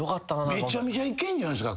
めちゃめちゃいけんじゃないっすか？